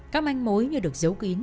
các manh mối như được giấu kín